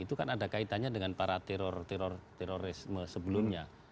itu kan ada kaitannya dengan para terorisme sebelumnya